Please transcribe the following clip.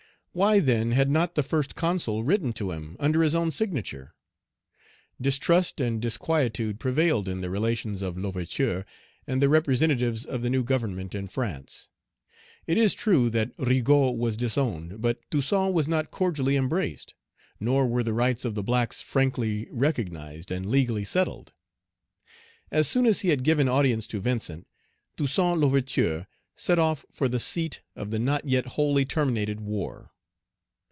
Why, then, had not the First Consul written to him under his own signature? Distrust and disquietude prevailed in the relations of L'Ouverture and the representatives of the new Government in France. It is true that Rigaud was disowned, but Toussaint was not cordially embraced; nor were the rights of the blacks frankly recognized and legally settled. As soon as he had given audience to Vincent, Toussaint Page 118 L'Ouverture set off for the seat of the not yet wholly terminated war.